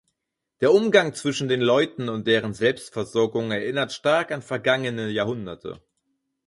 Der Umgang zwischen den Leuten und deren Selbstversorgung erinnert stark an vergangene Jahrhunderte.